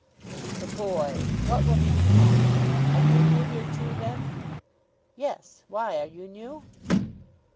"The boy what will he become? Are you new here, too, then?" "Yes! Why, are you new?"